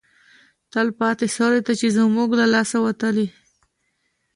تلپاتې سولې ته چې زموږ له لاسه وتلی